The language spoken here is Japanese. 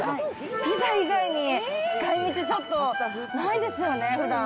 ピザ以外に使いみち、ちょっとないですよね、ふだん。